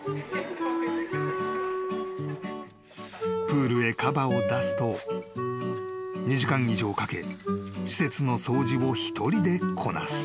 ［プールへカバを出すと２時間以上かけ施設の掃除を一人でこなす］